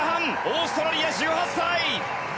オーストラリア、１８歳。